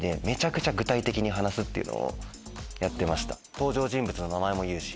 登場人物の名前も言うし。